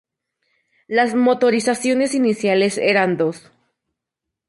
Las motorizaciones iniciales eran dos.